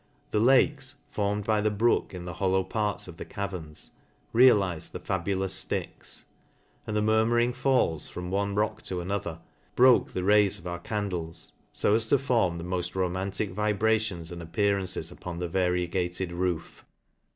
The lakes (formed by the brook, in the hollow parts of the caverns) realize the fabulous Styx ; and the murmuring falls from one rock to another broke the rays of our candles, fo as to form the mod ro mantic vibrations and appearances upon the varie gated roof.